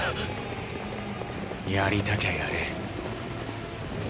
やりたきゃやれ。